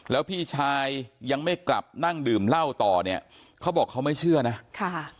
แล้วพี่ชายยังไม่กลับนั่งดื่มเหล้าต่อเนี่ยเขาบอกเขาไม่เชื่อนะค่ะ